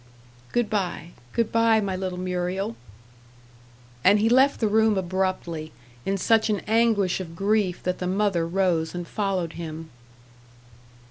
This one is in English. "Good bye, good bye, my little Muriel!" And he left the room abruptly, in such an anguish of grief that the mother rose and followed him.